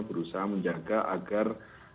berusaha menjaga agar